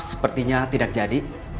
sepertinya tidak jadi